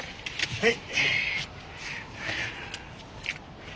はい。